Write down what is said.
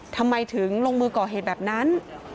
ทำไมถึงลงมือก่อเหตุแบบนั้น